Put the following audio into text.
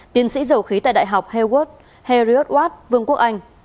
tiến sĩ dầu khí tại đại học harriot ward vương quốc anh